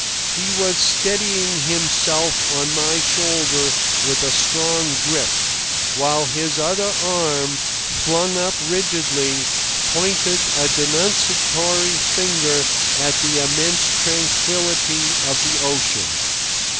He was steadying himself on my shoulder with a strong grip, while his other arm, flung up rigidly, pointed a denunciatory finger at the immense tranquillity of the ocean.